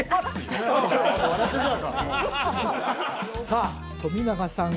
さあ冨永さん